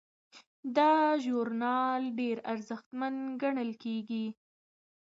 دا ژورنال ډیر ارزښتمن ګڼل کیږي.